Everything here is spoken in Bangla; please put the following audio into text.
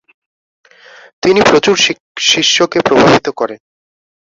তিনি প্রচুর শিষ্যকে প্রভাবিত করেন।